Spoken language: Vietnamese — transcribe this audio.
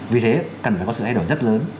vì thế cần phải có sự thay đổi rất lớn